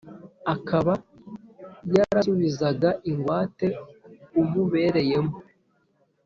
akaba yarasubizaga ingwate umubereyemo